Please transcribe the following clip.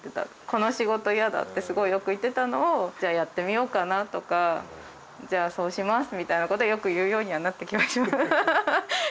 「この仕事嫌だ」ってすごいよく言ってたのを「じゃあやってみようかな」とか「じゃあそうします」みたいなことはよく言うようにはなった気が。